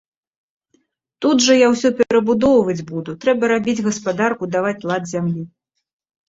Тут жа я ўсё перабудоўваць буду, трэба рабіць гаспадарку, даваць лад зямлі.